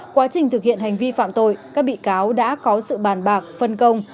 quá trình thực hiện hành vi phạm tội các bị cáo đã có sự bàn bạc phân công